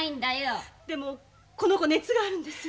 でもこの子熱があるんです。